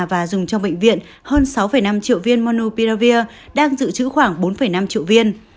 và dùng trong bệnh viện hơn sáu năm triệu viên monopia đang dự trữ khoảng bốn năm triệu viên